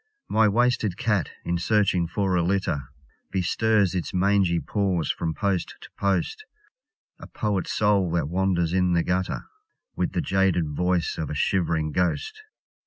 My wasted cat, in searching for a litter, Bestirs its mangy paws from post to post; (A poet's soul that wanders in the gutter, With the jaded voice of a shiv'ring ghost).